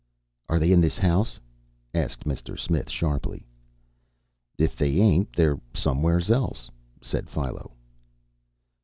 "Are they in this house?" asked Mr. Smith sharply. "If they ain't, they're somewheres else," said Philo.